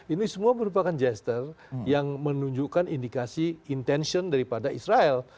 ini semua merupakan gester yang menunjukkan indikasi intention daripada israel